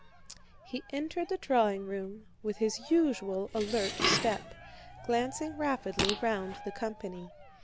He entered the drawing room with his usual alert step, glancing rapidly round the company.